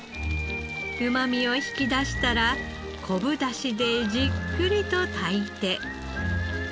うまみを引き出したら昆布出汁でじっくりと炊いて。